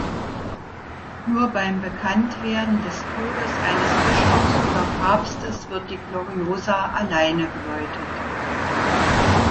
Nur beim Bekanntwerden des Todes eines Bischofs oder Papstes wird die Gloriosa alleine geläutet.